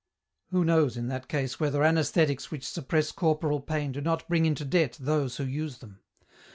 Who knows in that case whether anaesthetics which suppress corporal pain do not bring into debt those who use them